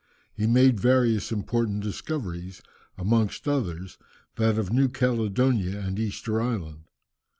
He made various important discoveries, amongst others, that of New Caledonia and Easter Island.